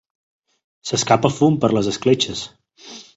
S'escapa fum per les escletxes.